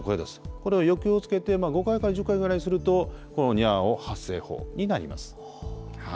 これを抑揚をつけて５回から１０回ぐらいするとにゃーお発声法になります。